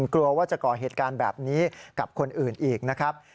กลัวว่าจะก่อเหตุการณ์แบบนี้กับคนอื่นอีกนะครับ